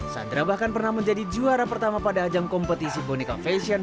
sandra bahkan pernah menjadi juara pertama pada ajang kompetisi boneka fashion